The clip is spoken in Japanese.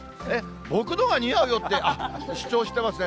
僕のほうが似合うよって、あっ、主張してますね。